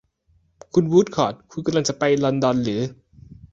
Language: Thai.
คุณวูดคอร์ต คุณกำลังจะไปลอนดอนหรือ ?